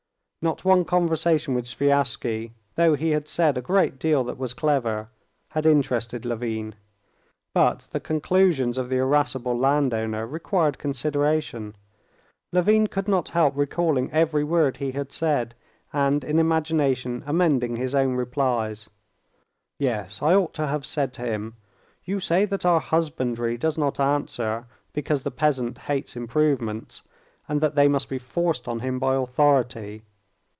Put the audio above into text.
Not one conversation with Sviazhsky, though he had said a great deal that was clever, had interested Levin; but the conclusions of the irascible landowner required consideration. Levin could not help recalling every word he had said, and in imagination amending his own replies. "Yes, I ought to have said to him: You say that our husbandry does not answer because the peasant hates improvements, and that they must be forced on him by authority.